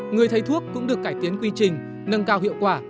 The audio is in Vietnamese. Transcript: người thầy thuốc cũng được cải tiến quy trình nâng cao hiệu quả